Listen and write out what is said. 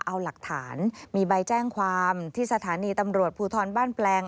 เอาหลักฐานมีใบแจ้งความที่สถานีตำรวจภูทรบ้านแปลง